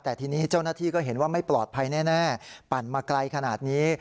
แต่ทีนี้เจ้าหน้าที่ก็เห็นว่าไม่ปลอดภัยแน่ปั่นมาไกลขนาดนี้